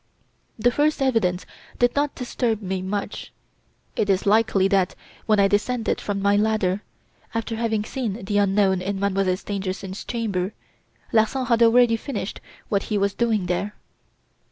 "The first evidence did not disturb me much. It is likely that, when I descended from my ladder, after having seen the unknown in Mademoiselle Stangerson's chamber, Larsan had already finished what he was doing there.